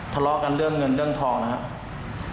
ทะเลาะกันเรื่องเงินเรื่องทองนะครับ